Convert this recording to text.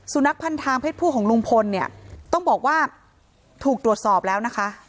นักพันทางเพศผู้ของลุงพลเนี่ยต้องบอกว่าถูกตรวจสอบแล้วนะคะ